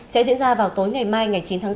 sẽ diễn ra vào tối ngày mai ngày chín tháng bốn